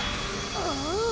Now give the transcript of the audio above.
ああ。